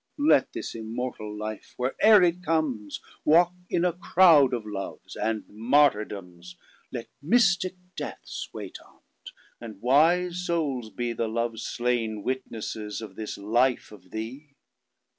Let this immortall life wherere it comesWalk in a crowd of loves and MartyrdomesLet mystick Deaths wait on't; and wise soules beThe love slain wittnesses of this life of thee.